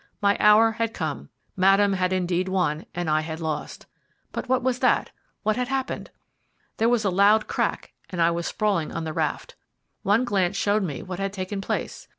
My hour had come. Madame had indeed won, and I had lost. But what was that? What had happened? There was a loud crack, and I was sprawling on the raft. One glance showed me what had taken place.